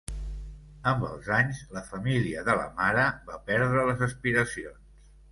Amb els anys la família de la mare va perdre les aspiracions.